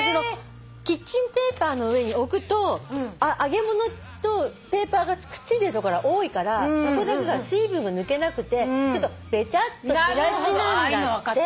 キッチンペーパーの上に置くと揚げ物とペーパーがくっついてるところ多いからそこだけが水分が抜けなくてベチャッとしがちなんだって。